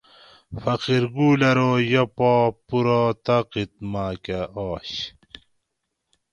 فقیرگل ارو یہ پا پورہ طاقت میکہ آش